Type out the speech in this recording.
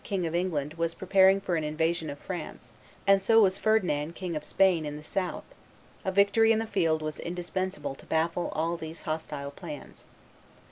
King of England, was preparing for an invasion of France, and so was Ferdinand, King of Spain, in the south: a victory in the field was indispensable to baffle all these hostile plans.